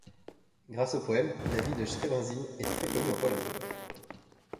Grâce au poème, la ville de Szczebrzeszyn est très connue en Pologne.